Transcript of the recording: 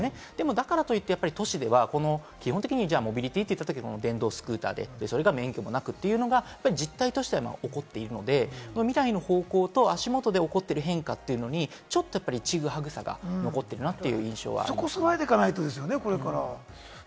だからといって都市ではこの基本的にモビリティって電動スクーターで、それが免許もなくというのが実態として起こっているので、未来の方向と足元で起こっている変化にちょっとちぐはぐさが残っているなという印象です。